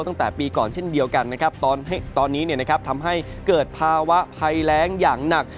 ตั้งแต่ปีก่อนเช่นเดียวกันนะครับตอนนี้เนี่ยนะครับทำให้เกิดภาวะไพร้งอย่างหนัก